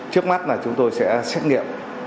trước mắt chúng tôi sẽ xét nghiệm